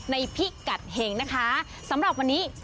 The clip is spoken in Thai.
นะครับ